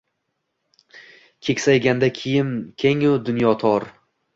Keksayganda kiyim keng-u dunyo tor.